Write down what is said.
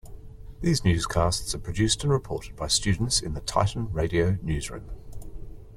These newscasts are produced and reported by students in the Titan Radio newsroom.